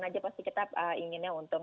mas saja pasti kita inginnya untung